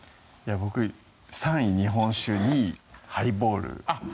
僕３位日本酒２位ハイボールあっ